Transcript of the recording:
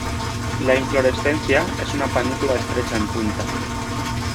La inflorescencia es una panícula estrecha en punta.